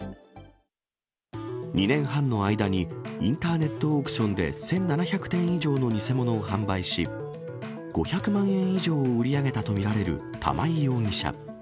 ２年半の間に、インターネットオークションで１７００点以上の偽物を販売し、５００万円以上を売り上げと見られる玉井容疑者。